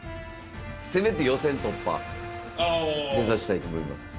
せめて予選突破、目指したいと思います。